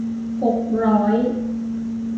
หกร้อย